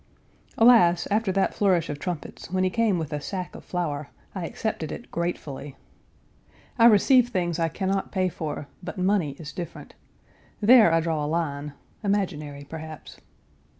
Alas, after that flourish of trumpets, when he came with a sack of flour, I accepted it gratefully. I receive things I Page 364 can not pay for, but money is different. There I draw a line, imaginary perhaps.